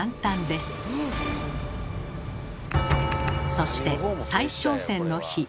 そして再挑戦の日。